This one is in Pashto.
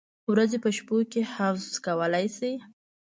ورځې په شپو کې حذف کولای شي؟